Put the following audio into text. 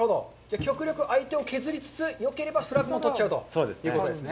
極力相手を削りつつ、よければ、フラッグを取ってしまうと。ということですね。